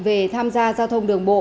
về tham gia giao thông đường bộ